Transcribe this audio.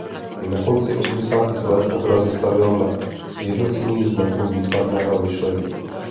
Na konci osmdesátých let obrazy stavěl na sjednocení znaků výtvarného myšlení.